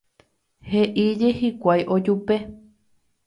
He'íje hikuái ojupe.